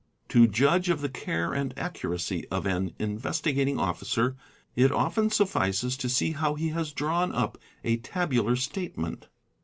To judge of the care and accuracy of an Investigating Officer — it often suffices to see how he has drawn up a tabular statement.